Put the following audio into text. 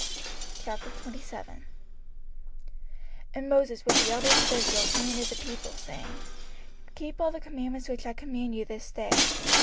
05:027:001 And Moses with the elders of Israel commanded the people, saying, Keep all the commandments which I command you this day.